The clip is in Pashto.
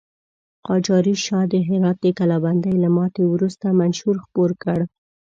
قاجاري شاه د هرات د کلابندۍ له ماتې وروسته منشور خپور کړ.